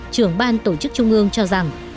trưởng ban tổ chức trung ương cho rằng